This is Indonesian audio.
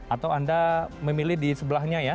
atau anda memilih di sebelahnya ya